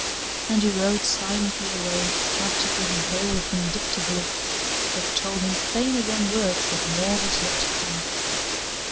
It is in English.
And he rode silently away, after giving Hale a vindictive look that told him plainer than words that more was yet to come.